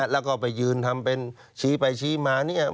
แล้วก็ไปยืนทำเป็นชี้ไปชี้มาเนี่ย